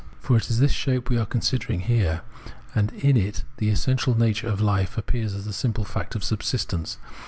For it is this shape we are considering here, and in it the essential nature of hfe appears as the simple fact of subsistence.